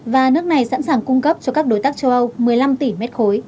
và nước này sẵn sàng cung cấp cho các đối tác châu âu một mươi năm tỷ m ba